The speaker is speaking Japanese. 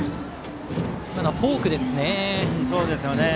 今のはフォークですね。